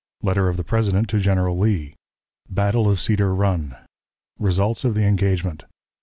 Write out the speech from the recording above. Letter of the President to General Lee. Battle of Cedar Run. Results of the Engagement.